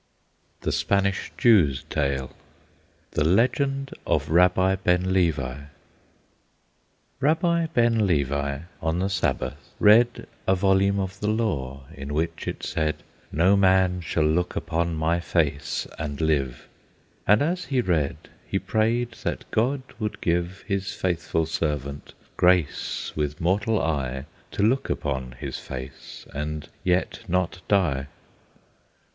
THE SPANISH JEW'S TALE. THE LEGEND OF RABBI BEN LEVI. Rabbi Ben Levi, on the Sabbath, read A volume of the Law, in which it said, "No man shall look upon my face and live." And as he read, he prayed that God would give His faithful servant grace with mortal eye To look upon His face and yet not die.